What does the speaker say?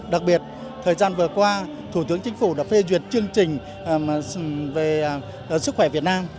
đặc biệt thời gian vừa qua thủ tướng chính phủ đã phê duyệt chương trình về sức khỏe việt nam